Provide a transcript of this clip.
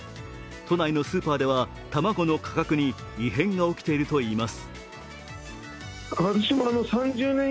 都内のスーパーでは卵の価格に異変が起きているといいます。